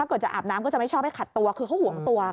เกิดจะอาบน้ำก็จะไม่ชอบให้ขัดตัวคือเขาห่วงตัว